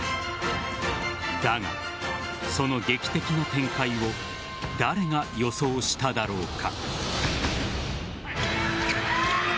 だが、その劇的な展開を誰が予想しただろうか。